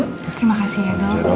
terima kasih ya do